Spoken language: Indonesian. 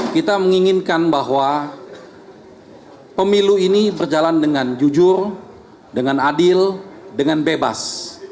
kita menginginkan bahwa pemilu ini berjalan dengan jujur dengan adil dengan bebas